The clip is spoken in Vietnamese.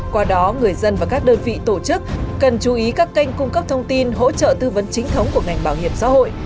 qua đó người dân và các đơn vị tổ chức cần chú ý các kênh cung cấp thông tin hỗ trợ tư vấn chính thống của ngành bảo hiểm xã hội